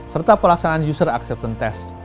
serta pelaksanaan user acceptan test